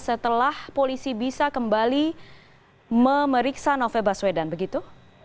setelah polisi bisa kembali memeriksa novel baswedan begitu